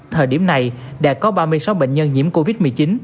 thời điểm này đã có ba mươi sáu bệnh nhân nhiễm covid một mươi chín